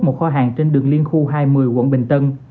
một kho hàng trên đường liên khu hai một mươi quận bình tân